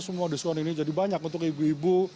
semua diskon ini jadi banyak untuk ibu ibu